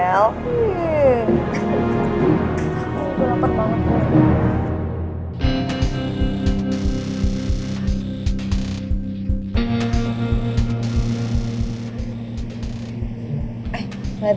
oh udah lapet banget